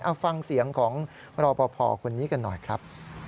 เอาฟังเสียงของรอปภคนนี้กันหน่อยครับ